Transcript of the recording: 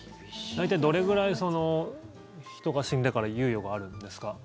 大体どれぐらい人が死んでから猶予があるんですか？